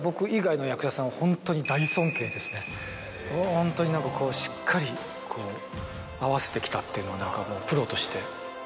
ホントに何かこうしっかりこう合わせてきたっていう何かプロとして。